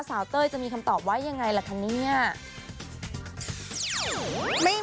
เต้ยจะมีคำตอบว่ายังไงล่ะคะเนี่ย